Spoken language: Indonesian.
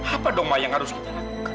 apa dong ma yang harus kita lakukan